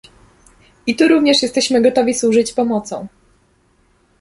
I tu również jesteśmy gotowi służyć pomocą